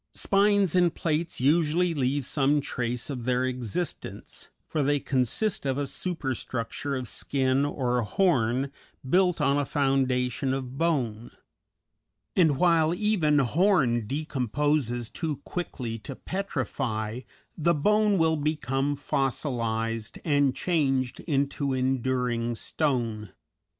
Spines and plates usually leave some trace of their existence, for they consist of a super structure of skin or horn, built on a foundation of bone; and while even horn decomposes too quickly to "petrify," the bone will become fossilized and changed into enduring stone.